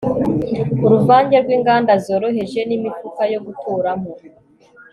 uruvange rw'inganda zoroheje n'imifuka yo guturamo